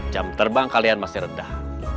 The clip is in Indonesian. jam terbang kalian masih rendah